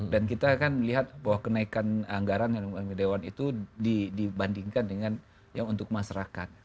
kita kan melihat bahwa kenaikan anggaran yang di dewan itu dibandingkan dengan yang untuk masyarakat